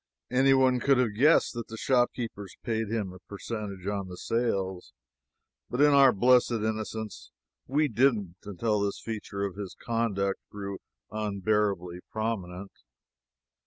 Anyone could have guessed that the shopkeepers paid him a percentage on the sales, but in our blessed innocence we didn't until this feature of his conduct grew unbearably prominent.